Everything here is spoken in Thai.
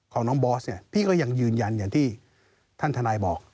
ของน้องบอสเนี่ยพี่ก็ยังยืนยันอย่างที่ท่านทนายบอก